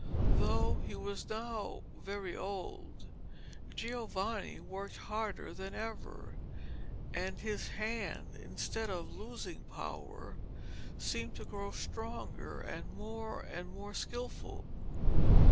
Though he was now very old, Giovanni worked harder than ever, and his hand, instead of losing power, seemed to grow stronger and more and more skilful.